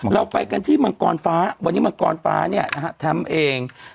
เราไปกันที่มังกรฟ้าวันนี้มังกรฟ้าเนี่ยนะฮะแท้มเอง